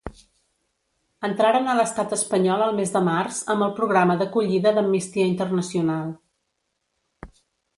Entraren a l'Estat Espanyol el mes de març amb el programa d'acollida d'Amnistia Internacional.